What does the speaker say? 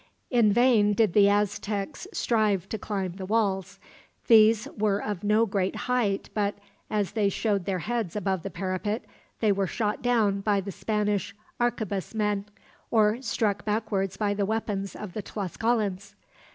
In vain did the Aztecs strive to climb the walls. These were of no great height but, as they showed their heads above the parapet, they were shot down by the Spanish arquebus men, or struck backwards by the weapons of the Tlascalans.